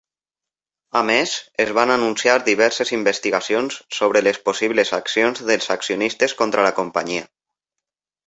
A més, es van anunciar diverses investigacions sobre les possibles accions dels accionistes contra la companyia.